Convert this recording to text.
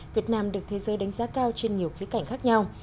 việt nam được thế giới đánh giá cao trên nhiều khía cạnh khác nhau